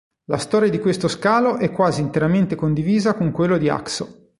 La storia di questo scalo è quasi interamente condivisa con quella di Haxo.